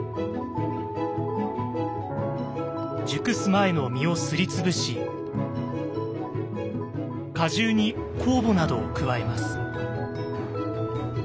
熟す前の実をすり潰し果汁に酵母などを加えます。